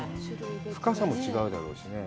深さも違うだろうしね。